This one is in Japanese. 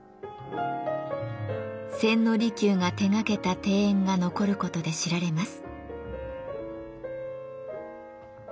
千利休が手がけた庭園が残ることで知られます。